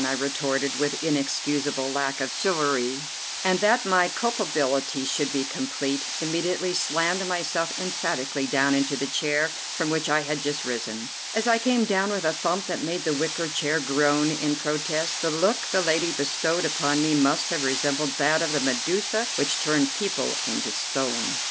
I retorted with inexcusable lack of chivalry, and, that my culpability should be complete, immediately slammed myself emphatically down into the chair from which I had just risen. As I came down with a thump that made the wicker chair groan in protest, the look the lady bestowed upon me must have resembled that of the Medusa which turned people into stone.